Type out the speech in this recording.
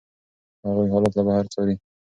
هغوی حالات له بهر څاري.